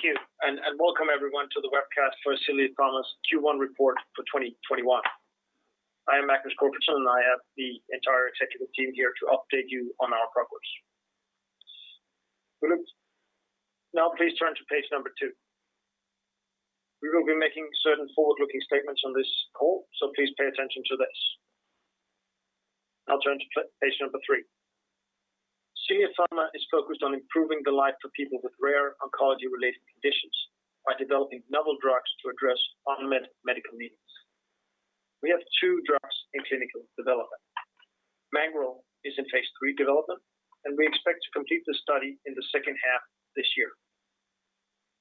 Thank you, and welcome everyone to the webcast for Ascelia Pharma's Q1 report for 2021. I am Magnus Corfitzen, I have the entire technical team here to update you on our progress. Please turn to page number two. We will be making certain forward-looking statements on this call, so please pay attention to this. Turn to page number three. Ascelia Pharma is focused on improving the life of people with rare oncology-related conditions by developing novel drugs to address unmet medical needs. We have two drugs in clinical development. Mangoral is in phase III development, and we expect to complete the study in the second half of this year.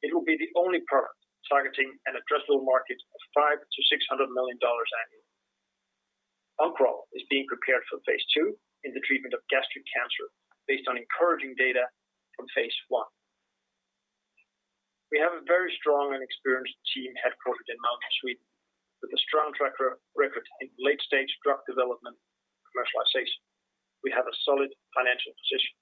It will be the only product targeting an addressable market of $500 million-$600 million annually. Oncoral is being prepared for phase II in the treatment of gastric cancer based on encouraging data from phase I. We have a very strong and experienced team headquartered in Malmö, Sweden, with a strong track record in late-stage drug development and commercialization. We have a solid financial position.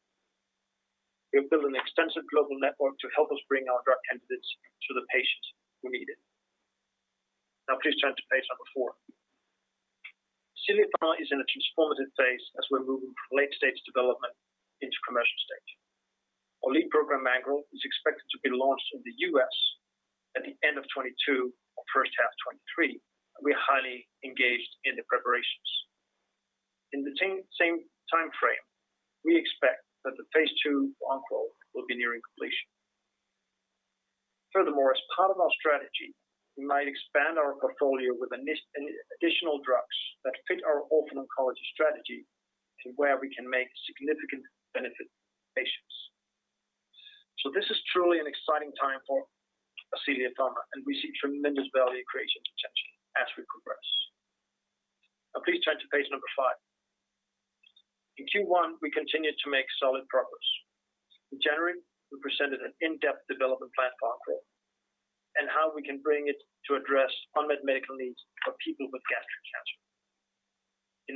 We have built an extensive global network to help us bring our drug candidates to the patients who need it. Now please turn to page number four. Ascelia Pharma is in a transformative phase as we're moving from late-stage development into the commercial stage. Our lead program, Mangoral, is expected to be launched in the U.S. at the end of 2022 or first half 2023, and we are highly engaged in the preparations. In the same timeframe, we expect that the phase II of Oncoral will be nearing completion. As part of our strategy, we might expand our portfolio with additional drugs that fit our orphan oncology strategy to where we can make significant benefits to patients. This is truly an exciting time for Ascelia Pharma, and we see tremendous value creation potential as we progress. Please turn to page number five. In Q1, we continued to make solid progress. In January, we presented an in-depth development plan for Oncoral and how we can bring it to address unmet medical needs for people with gastric cancer.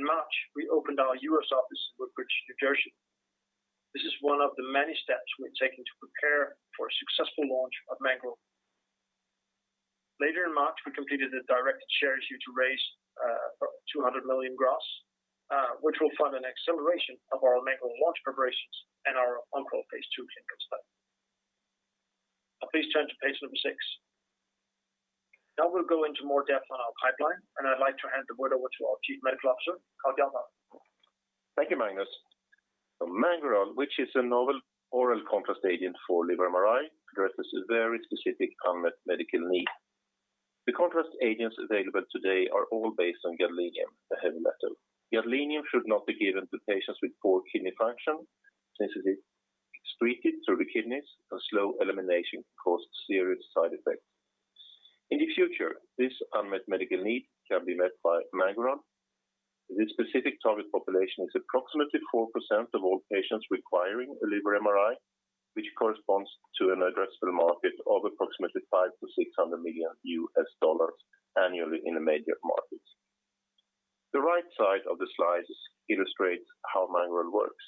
In March, we opened our U.S. office in Woodbridge, New Jersey. This is one of the many steps we're taking to prepare for a successful launch of Mangoral. Later in March, we completed a directed share issue to raise 200 million gross, which will fund an acceleration of our Mangoral launch preparations and our Oncoral phase II clinical study. Please turn to page number six. Now we'll go into more depth on our pipeline, and I'd like to hand the word over to our Chief Medical Officer, Carl-Johan Dalsgaard. Thank you, Magnus. Mangoral, which is a novel oral contrast agent for liver MRI, addresses a very specific unmet medical need. The contrast agents available today are all based on gadolinium, a heavy metal. Gadolinium should not be given to patients with poor kidney function, since it is excreted through the kidneys, and slow elimination can cause serious side effects. In the future, this unmet medical need can be met by Mangoral. This specific target population is approximately 4% of all patients requiring a liver MRI, which corresponds to an addressable market of approximately $500 million-$600 million annually in the major markets. The right side of the slide illustrates how Mangoral works.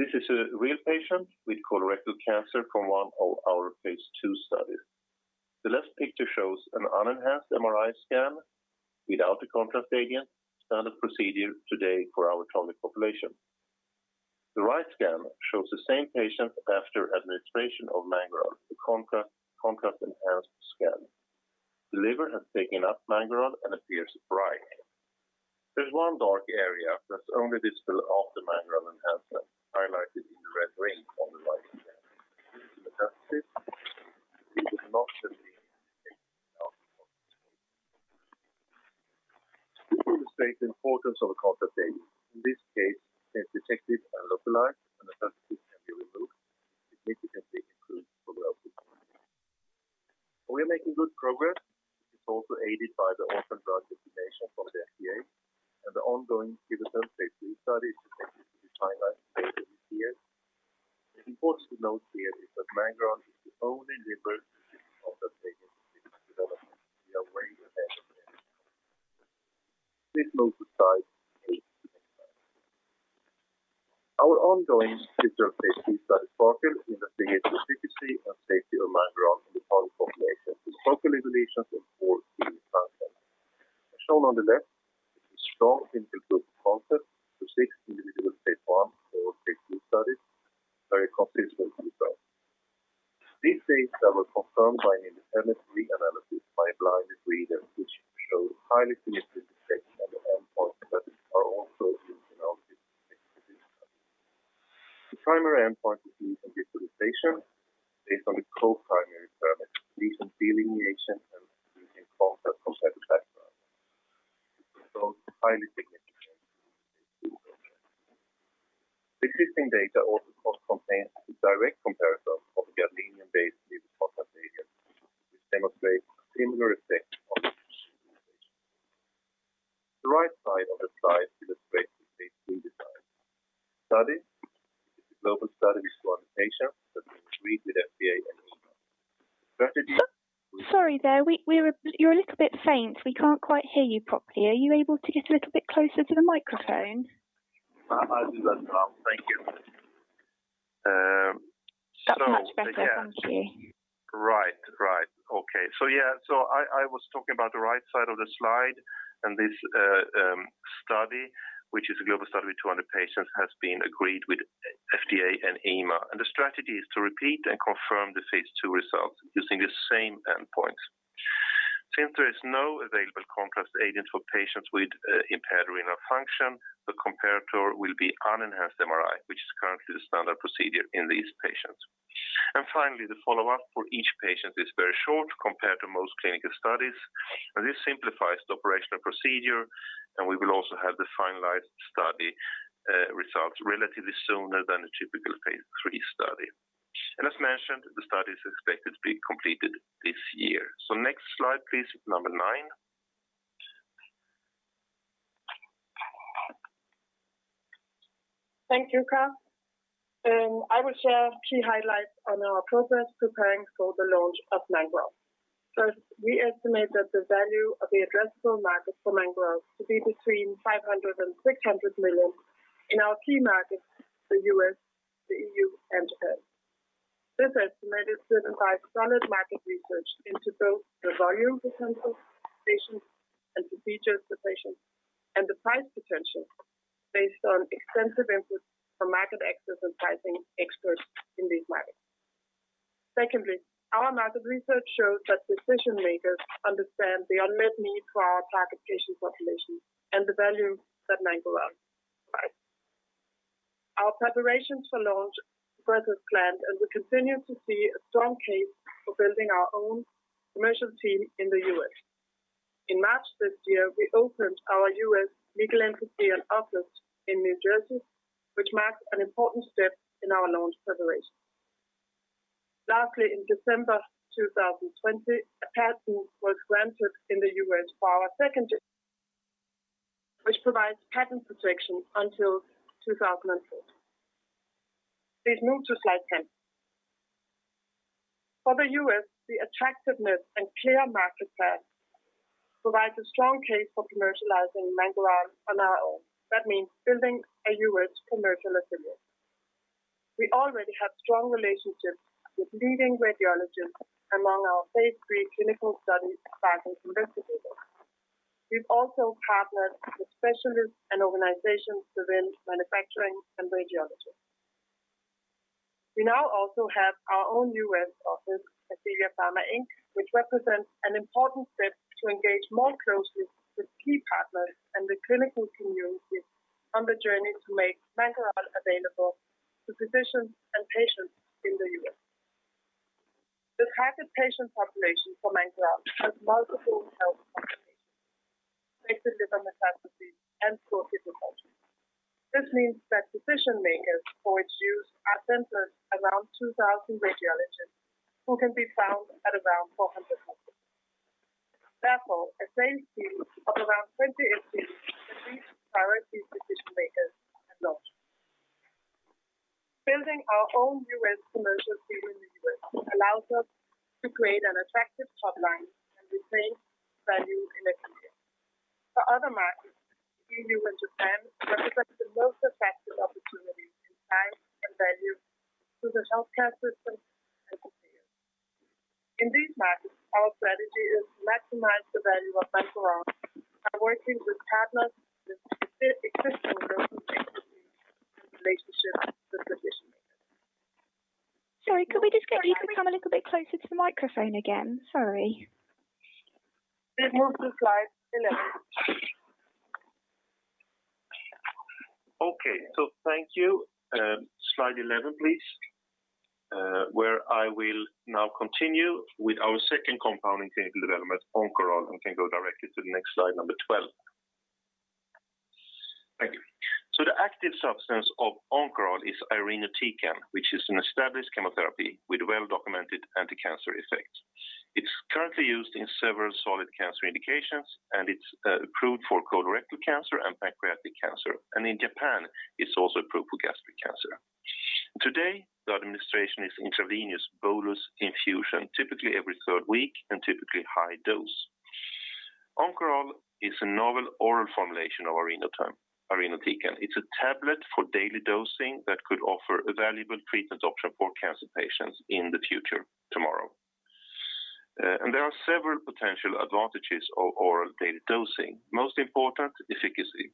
This is a real patient with colorectal cancer from one of our phase II studies. The left picture shows an unenhanced MRI scan without the contrast agent, standard procedure today for our target population. The right scan shows the same patient after administration of Mangoral, the contrast-enhanced scan. The liver has taken up Mangoral and appears bright. There's one dark area that's only visible after Mangoral enhancement, highlighted in red ring on the right image. This is metastasis, which would not have been detected without Mangoral. This illustrates the importance of a contrast agent. In this case, a detected nodule occurs, and the metastasis can be removed, significantly improving the prognosis. We're making good progress, which is also aided by the orphan drug designation from the FDA and the ongoing pivotal phase II study, which I'm going to be highlighting later this year. It's important to note here that Mangoral is the only liver-specific contrast agent in development with a range of mechanisms. This motivates patient excitement. Our ongoing pivotal phase II study COCKTAIL investigates the efficacy and safety of Mangoral in our target population with focal liver lesions and poor kidney function. As shown on the left, with a strong interim look concept for 16 individuals at one or phase II studies, a completion will be done. These data were confirmed by an independent read analysis by blinded readers, which show highly significant effects on the endpoint studies are also in our pivotal phase II study. The primary endpoint is visual representation based on the co-primary parameters lesion delineation and lesion contrast enhancement. The results are highly significant. Existing data also contains a direct comparison of gadolinium-based contrast agents, which demonstrates similar effects on visualization. The right side of the slide illustrates the phase II design. The study is a global study with 200 patients that's agreed with FDA and EMA. The strategy Sorry there, you're a little bit faint. We can't quite hear you properly. Are you able to get a little bit closer to the microphone? I'll do that. Thank you. That's much better. Thank you. Right. Okay. I was talking about the right side of the slide and this study, which is a global study with 200 patients, has been agreed with FDA and EMA. The strategy is to repeat and confirm the phase II results using the same endpoints. Since there is no available contrast agent for patients with impaired renal function, the comparator will be unenhanced MRI, which is currently the standard procedure in these patients. Finally, the follow-up for each patient is very short compared to most clinical studies, and this simplifies the operational procedure, and we will also have the finalized study results relatively sooner than a typical phase III study. As mentioned, the study is expected to be completed this year. Next slide please, number nine. Thank you, Carl. I will share key highlights on our progress preparing for the launch of Mangoral. First, we estimate that the value of the addressable market for Mangoral to be between $500 million-$600 million in our key markets, the U.S., the EU, and Japan. This estimate is certified solid market research into both the volume potential patients and the features potential, and the price potential based on extensive input from market access and pricing experts in these markets. Secondly, our market research shows that decision-makers understand the unmet need for our target patient population and the value that Mangoral provides. Our preparations for launch progress planned, and we continue to see a strong case for building our own commercial team in the U.S. In March this year, we opened our U.S. legal entity and office in New Jersey, which marks an important step in our launch preparation. Lastly, in December 2020, a patent was granted in the U.S. for our second, which provides patent protection until 2030. Please move to slide 10. For the U.S., the attractiveness and clear market path provides a strong case for commercializing Mangoral on our own. That means building a U.S. commercial affiliate. We already have strong relationships with leading radiologists among our phase III clinical study principal investigators. We've also partnered with specialists and organizations within manufacturing and radiology. We now also have our own U.S. office, Ascelia Pharma, Inc., which represents an important step to engage more closely with key partners and the clinical community on the journey to make Mangoral available to physicians and patients in the U.S. The target patient population for Mangoral has multiple health complications, liver metastases, and poor performance. This means that decision makers for its use are centered around 2,000 radiologists who can be found at around 400 hospitals. Therefore, a sales team of around 20 HD can reach directly decision makers at launch. Building our own U.S. commercial team in the U.S. allows us to create an attractive top line and retain value in the future. For other markets, E.U. and Japan represent the most attractive opportunities in size and value to the healthcare system as a leader. In these markets, our strategy is to maximize the value of Mangoral by working with partners with existing relationships with decision makers. Sorry, could you come a little bit closer to the microphone again? Sorry. Let's move to slide 11. Okay. Thank you. Slide 11, please, where I will now continue with our second compound in clinical development, Oncoral, and can go directly to the next slide, number 12. Thank you. The active substance of Oncoral is irinotecan, which is an established chemotherapy with well-documented anticancer effects. It's currently used in several solid cancer indications, and it's approved for colorectal cancer and pancreatic cancer. In Japan, it's also approved for gastric cancer. Today, the administration is intravenous bolus infusion, typically every third week and typically high dose. Oncoral is a novel oral formulation of irinotecan. It's a tablet for daily dosing that could offer a valuable treatment option for cancer patients in the future tomorrow. There are several potential advantages of oral daily dosing. Most important, efficacy.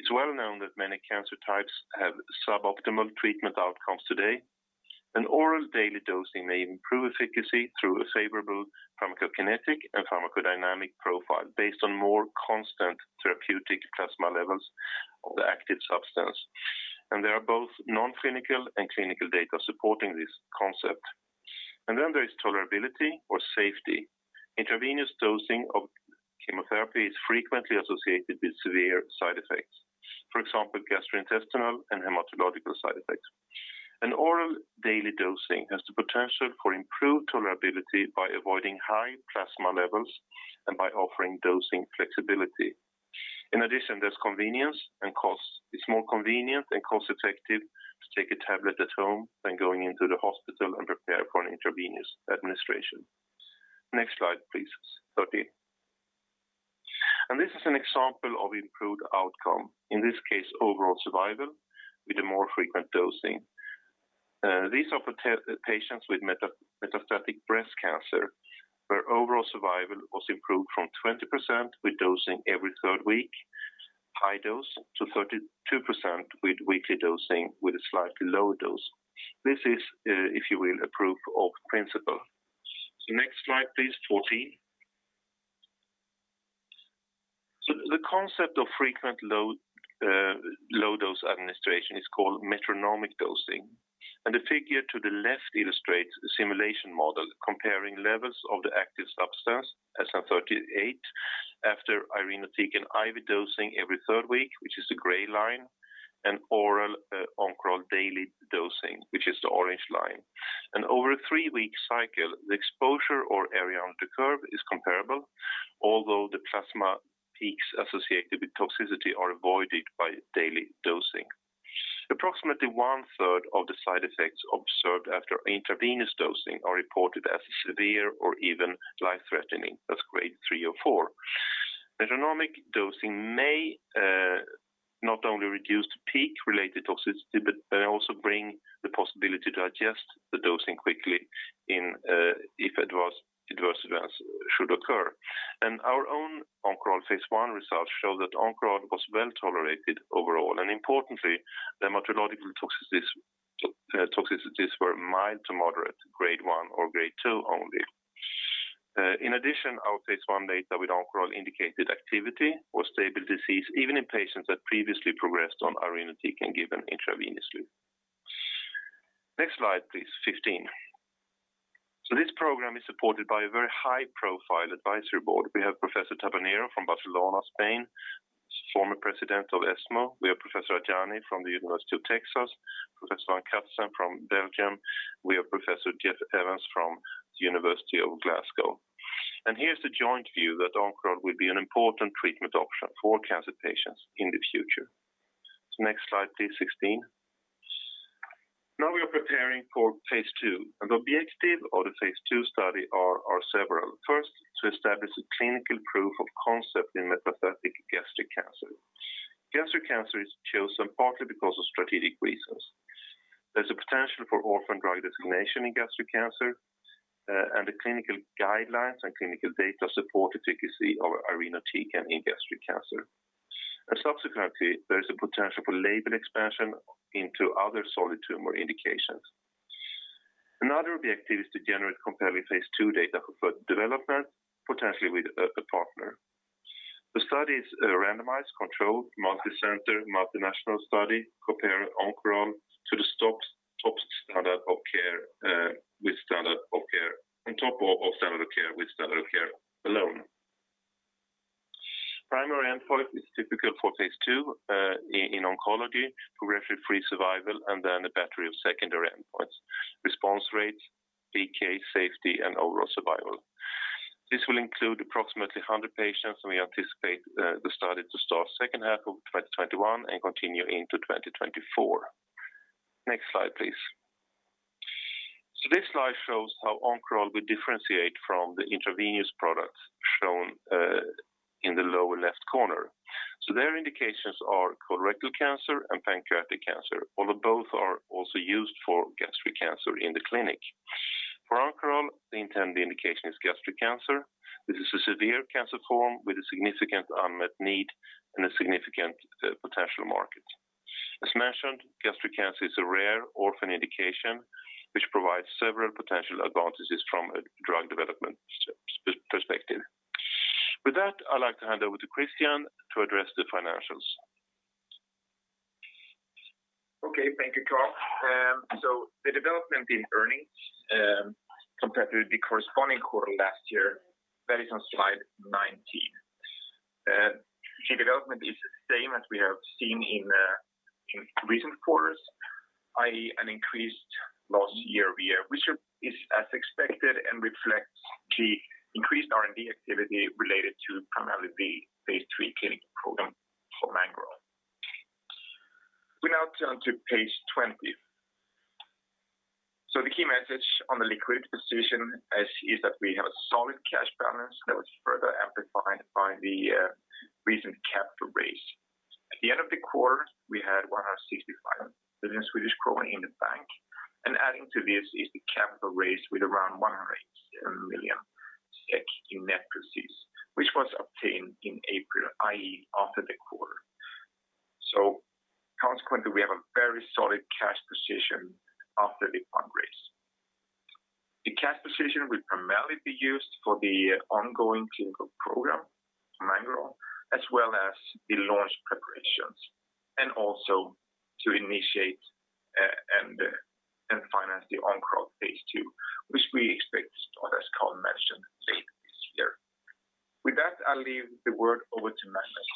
It's well known that many cancer types have suboptimal treatment outcomes today. Oral daily dosing may improve efficacy through a favorable pharmacokinetic and pharmacodynamic profile based on more constant therapeutic plasma levels of the active substance. There are both non-clinical and clinical data supporting this concept. There is tolerability or safety. Intravenous dosing of chemotherapy is frequently associated with severe side effects, for example, gastrointestinal and hematological side effects. An oral daily dosing has the potential for improved tolerability by avoiding high plasma levels and by offering dosing flexibility. In addition, there's convenience and cost. It's more convenient and cost-effective to take a tablet at home than going into the hospital and prepare for an intravenous administration. Next slide, please. 13. This is an example of improved outcome, in this case, overall survival with a more frequent dosing. These are patients with metastatic breast cancer, where overall survival was improved from 20% with dosing every third week, high dose, to 32% with weekly dosing with a slightly lower dose. This is, if you will, a proof of principle. Next slide, please. 14. The concept of frequent low-dose administration is called metronomic dosing. The figure to the left illustrates a simulation model comparing levels of the active substance, SN-38, after irinotecan IV dosing every third week, which is the gray line, and oral Oncoral daily dosing, which is the orange line. Over a three-week cycle, the exposure or area under curve is comparable, although the plasma peaks associated with toxicity are avoided by daily dosing. Approximately one-third of the side effects observed after intravenous dosing are reported as severe or even life-threatening. That's Grade three or four. Metronomic dosing may not only reduce the peak-related toxicity but may also bring the possibility to adjust the dosing quickly if adverse events should occur. Our own Oncoral phase I results show that Oncoral was well-tolerated overall, importantly, the hematological toxicities were mild to moderate, Grade one or Grade two only. In addition, our phase I data with Oncoral indicated activity or stable disease, even in patients that previously progressed on irinotecan given intravenously. Next slide, please. 15. This program is supported by a very high-profile advisory board. We have Professor Tabernero from Barcelona, Spain, former president of ESMO. We have Professor Ajani from the University of Texas, Professor Van Cutsem from Belgium. We have Professor Jeff Evans from the University of Glasgow. Here's the joint view that Oncoral will be an important treatment option for cancer patients in the future. Next slide, please. 16. Now we are preparing for phase II, and the objectives of the phase II study are several. First, to establish a clinical proof of concept in metastatic gastric cancer. gastric cancer is chosen partly because of strategic reasons. There's a potential for orphan drug designation in gastric cancer, and the clinical guidelines and clinical data support efficacy of irinotecan in gastric cancer. Subsequently, there is a potential for label expansion into other solid tumor indications. Another objective is to generate compelling phase II data for further development, potentially with a partner. The study is a randomized, controlled, multi-center, multinational study comparing Oncoral to the top standard of care with standard of care on top of standard of care with standard of care alone. Primary endpoint is typical for phase II in oncology, progression-free survival, and then a battery of secondary endpoints, response rate, PK, safety, and overall survival. This will include approximately 100 patients. We anticipate the study to start second half of 2021 and continue into 2024. Next slide, please. This slide shows how Oncoral will differentiate from the intravenous products shown in the lower left corner. Their indications are colorectal cancer and pancreatic cancer, although both are also used for gastric cancer in the clinic. For Oncoral, the intended indication is gastric cancer. This is a severe cancer form with a significant unmet need and a significant potential market. As mentioned, gastric cancer is a rare orphan indication, which provides several potential advantages from a drug development perspective. With that, I'd like to hand over to Kristian to address the financials. Okay, thank you, Carl. The development in earnings compared to the corresponding quarter last year, that is on slide 19. The development is the same as we have seen in recent quarters, i.e., an increased loss year-over-year, which is as expected and reflects the increased R&D activity related to primarily the Phase III clinical program for Mangoral. We now turn to page 20. The key message on the liquid position is that we have a solid cash balance that was further amplified by the recent capital raise. At the end of the quarter, we had 165 million in the bank, and adding to this is the capital raise with around 107 million SEK in net proceeds, which was obtained in April, i.e., after the quarter. Consequently, we have a very solid cash position after the fund raise. The cash position will primarily be used for the ongoing clinical program for Mangoral, as well as the launch preparations, and also to initiate and finance the Oncoral phase II, which we expect to start, as Carl mentioned, later this year. With that, I will leave the word over to Magnus.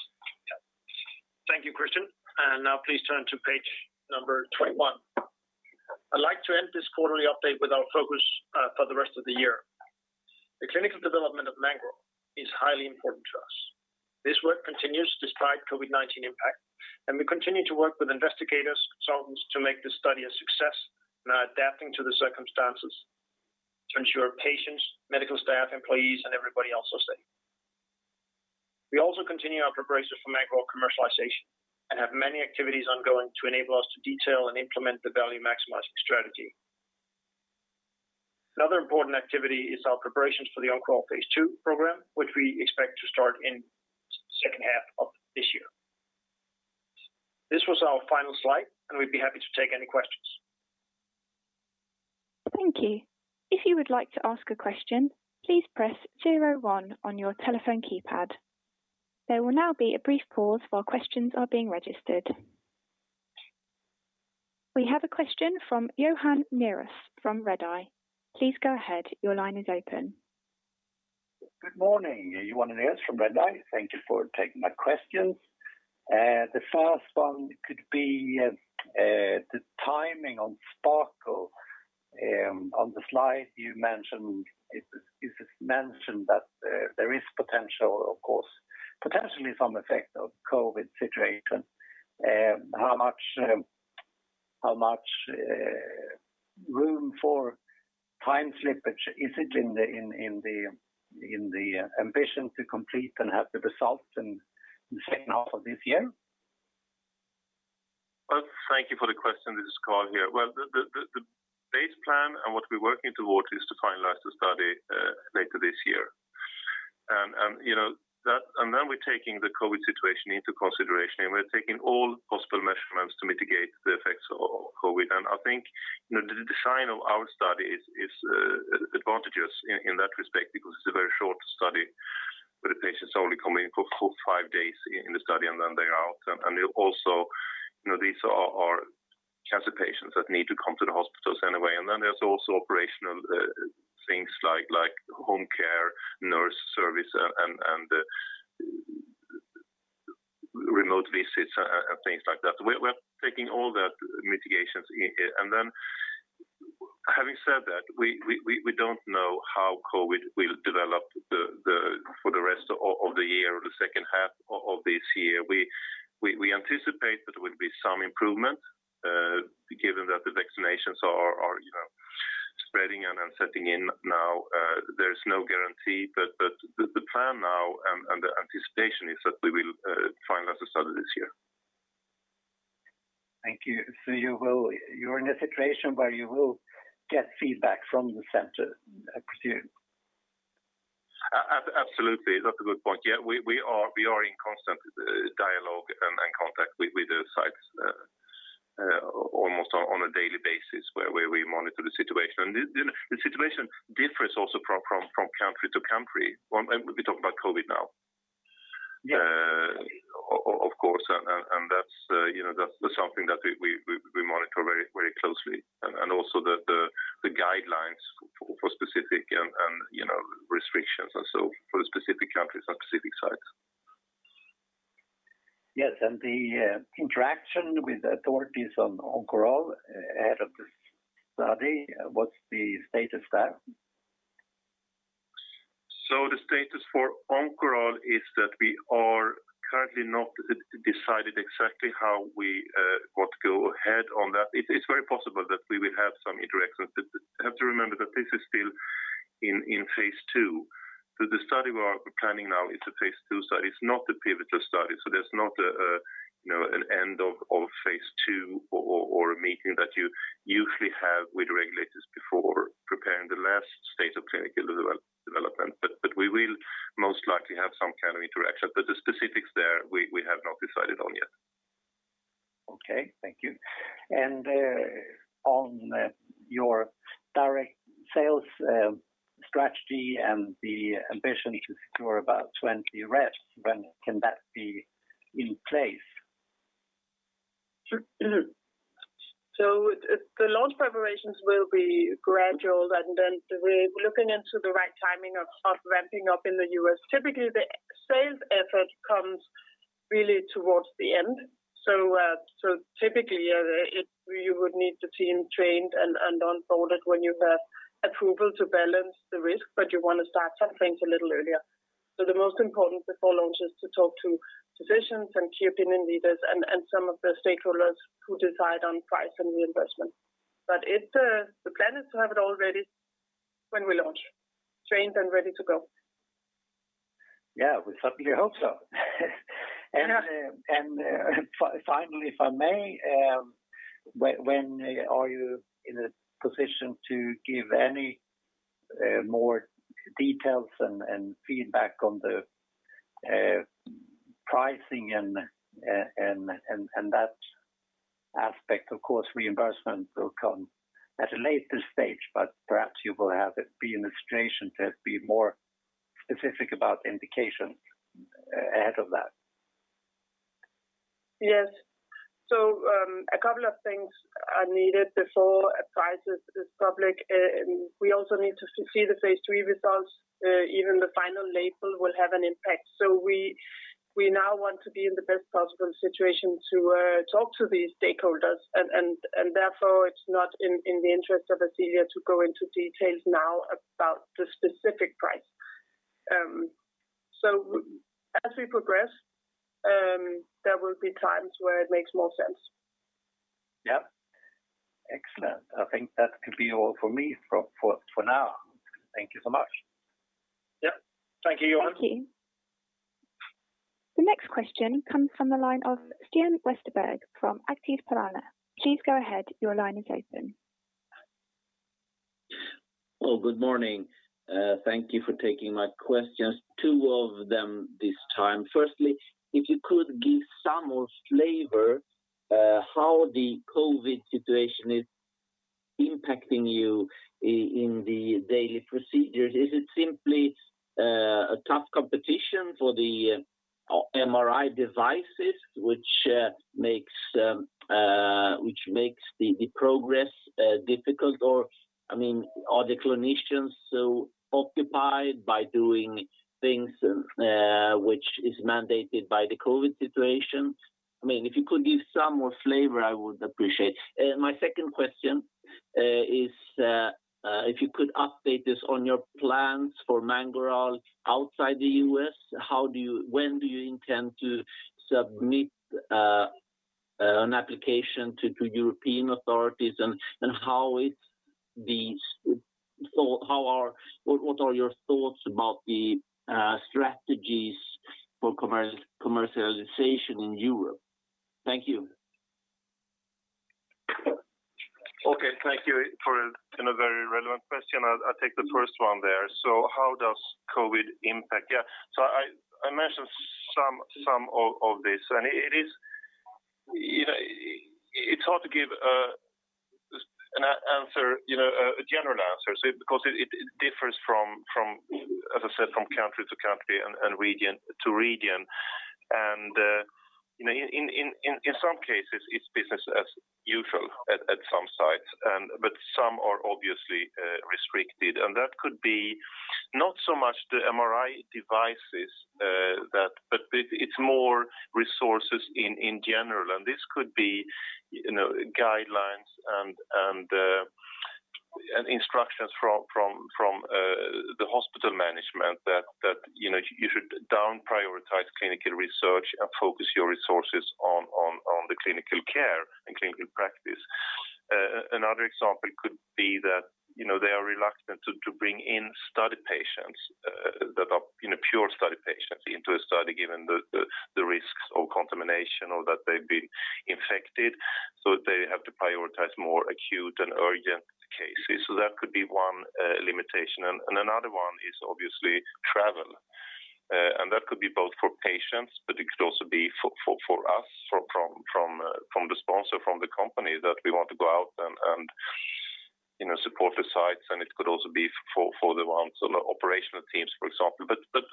Thank you, Kristian. Now please turn to page number 21. I'd like to end this quarterly update with our focus for the rest of the year. The clinical development of Mangoral is highly important to us. This work continues despite COVID-19 impact, and we continue to work with investigators, consultants to make this study a success and are adapting to the circumstances to ensure patients, medical staff, employees, and everybody else are safe. We also continue our preparation for Mangoral commercialization and have many activities ongoing to enable us to detail and implement the value-maximizing strategy. Another important activity is our preparations for the Oncoral phase II program, which we expect to start in the second half of this year. This was our final slide, and we'd be happy to take any questions. Thank you. If you would like to ask a question, please press zero one on your telephone keypad. There will now be a brief pause while questions are being registered. We have a question from Johan Unnérus from Redeye. Please go ahead. Your line is open. Good morning. Johan Unnérus from Redeye. Thank you for taking my questions. The first one could be the timing on SPARKLE. On the slide, you mentioned that there is potential, of course, potentially some effect of COVID situation. How much room for time slippage is it in the ambition to complete and have the results in the second half of this year? Well, thank you for the question. This is Carl here. Well, the base plan and what we're working towards is to finalize the study later this year. Then we're taking the COVID situation into consideration, and we're taking all possible measurements to mitigate the effects of COVID. I think the design of our study is advantageous in that respect because it's a very short study, where the patients only come in for five days in the study and then they are out. These are cancer patients that need to come to the hospitals anyway. Then there's also operational things like home care, nurse service, and remote visits and things like that. We're taking all that mitigations in. Then having said that, we don't know how COVID will develop for the rest of the year or the second half of this year. We anticipate that there will be some improvement, given that the vaccinations are spreading and are setting in now. There is no guarantee, the plan now and the anticipation is that we will finalize the study this year. Thank you. You're in a situation where you will get feedback from the center pretty soon. Absolutely. That's a good point. Yeah, we are in constant dialogue and contact with the sites almost on a daily basis where we monitor the situation. The situation differs also from country to country. We're talking about COVID now. Yeah. Of course, that's something that we monitor very closely, and also the guidelines for specific restrictions and so for specific countries and specific sites. Yes, the interaction with authorities on Oncoral ahead of the study, what's the status there? The status for Oncoral is that we are currently not decided exactly how we got to go ahead on that. It's very possible that we will have some interactions. Have to remember that this is still in phase II. The study we are planning now is a phase II study. It's not a pivotal study, so there's not an end of phase II or a meeting that you usually have with regulators before preparing the last state of clinical development. We will most likely have some kind of interaction, but the specifics there we have not decided on yet. Okay. Thank you. On your direct sales strategy and the ambition to secure about 20 reps, when can that be in place? The launch preparations will be gradual, and then we're looking into the right timing of start ramping up in the U.S. Typically, the sales effort comes really towards the end. Typically, you would need the team trained and on board when you have approval to balance the risk, but you want to start some things a little earlier. The most important before launch is to talk to physicians and key opinion leaders and some of the stakeholders who decide on price and reimbursement. The plan is to have it all ready when we launch, trained and ready to go. Yeah, we certainly hope so. Yeah. Finally, if I may, when are you in a position to give any more details and feedback on the pricing and that aspect? Of course, reimbursement will come at a later stage, perhaps you will be in a situation to be more specific about indication ahead of that. Yes. A couple of things are needed before a price is public. We also need to see the phase III results. Even the final label will have an impact. We now want to be in the best possible situation to talk to these stakeholders, and therefore it's not in the interest of Ascelia to go into details now about the specific price. As we progress, there will be times where it makes more sense. Yep. Excellent. I think that could be all for me for now. Thank you so much. Yep. Thank you, Johan. Thank you. The next question comes from the line of Sten Westerberg from Aktiespararna. Please go ahead. Well, good morning. Thank you for taking my questions, two of them this time. Firstly, if you could give some more flavor how the COVID situation is impacting you in the daily procedures. Is it simply a tough competition for the MRI devices, which makes the progress difficult? Are the clinicians so occupied by doing things which is mandated by the COVID situation? If you could give some more flavor, I would appreciate. My second question is if you could update us on your plans for Mangoral outside the U.S. When do you intend to submit an application to European authorities, and what are your thoughts about the strategies for commercialization in Europe? Thank you. Okay. Thank you for a very relevant question. I'll take the first one there. How does COVID impact? I mentioned some of this, and it's hard to give a general answer, because it differs, as I said, from country to country and region to region. In some cases, it's business as usual at some sites. Some are obviously restricted, and that could be not so much the MRI devices, but it's more resources in general. This could be guidelines and instructions from the hospital management that you should down-prioritize clinical research and focus your resources on the clinical care and clinical practice. Another example could be that they are reluctant to bring in study patients that are pure study patients into a study given the risks of contamination or that they've been infected. They have to prioritize more acute and urgent cases. That could be one limitation. Another one is obviously travel. That could be both for patients, but it could also be for us from the sponsor, from the company, that we want to go out and support the sites. It could also be for the ones on the operational teams, for example.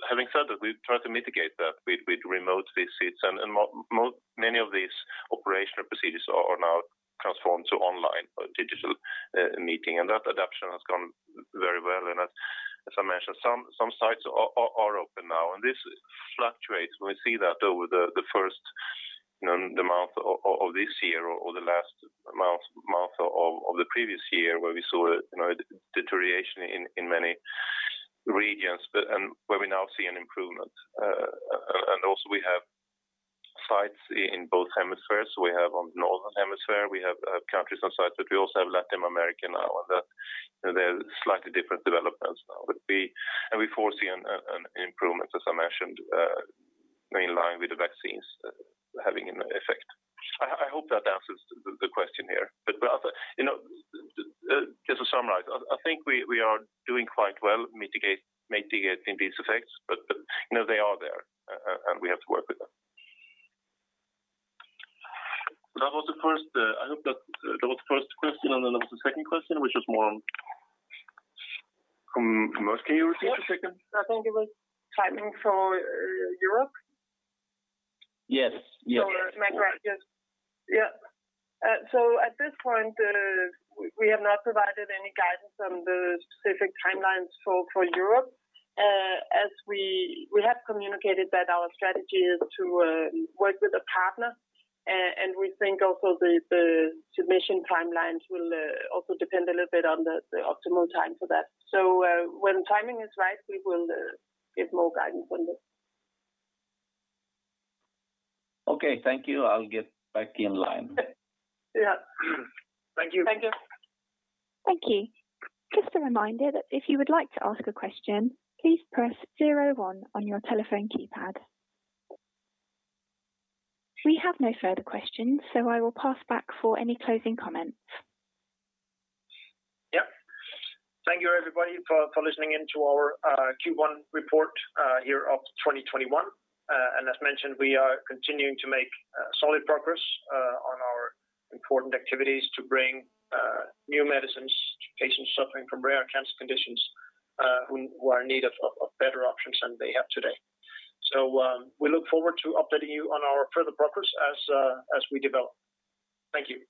Having said that, we've tried to mitigate that with remote visits, and many of these operational procedures are now transformed to online or digital meeting, and that adaption has gone very well. As I mentioned, some sites are open now. This fluctuates. We see that over the first month of this year or the last month of the previous year where we saw a deterioration in many regions, but where we now see an improvement. Also we have sites in both hemispheres. We have on northern hemisphere, we have countries and sites, but we also have Latin America now, and they're slightly different developments now. We foresee an improvement, as I mentioned, in line with the vaccines having an effect. I hope that answers the question here. Just to summarize, I think we are doing quite well mitigating these effects. They are there, and we have to work with them. That was the first. I hope that was the first question, and then there was the second question, which was more from us. Can you repeat the second? Yeah. I think it was timing for Europe. Yes. For Mangoral. Yeah. At this point, we have not provided any guidance on the specific timelines for Europe. We have communicated that our strategy is to work with a partner, and we think also the submission timelines will also depend a little bit on the optimal time for that. When timing is right, we will give more guidance on this. Okay. Thank you. I'll get back in line. Yeah. Thank you. Thank you. Thank you. Just a reminder that if you would like to ask a question, please press zero one on your telephone keypad. We have no further questions, I will pass back for any closing comments. Yeah. Thank you everybody for listening in to our Q1 report year of 2021. As mentioned, we are continuing to make solid progress on our important activities to bring new medicines to patients suffering from rare cancer conditions who are in need of better options than they have today. We look forward to updating you on our further progress as we develop. Thank you.